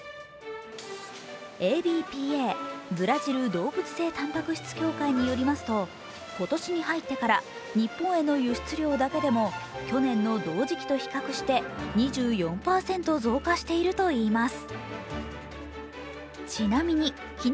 ＡＢＰＡ＝ブラジル動物性タンパク質協会によりますと、今年に入ってから日本への輸出量だけでも去年の同時期と比較して２４％増加しているといいます。